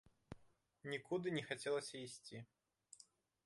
Нікуды не хацелася ісці.